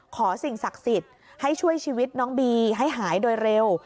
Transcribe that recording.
สิ่งศักดิ์สิทธิ์ให้ช่วยชีวิตน้องบีให้หายโดยเร็ว